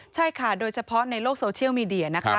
ใช่ค่ะโดยเฉพาะในโลกโซเชียลมีเดียนะคะ